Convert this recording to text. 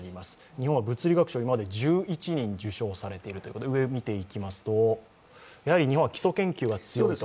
日本は物理学賞、今まで１１人受賞されているということで上を見ていくと日本は基礎研究が強いと。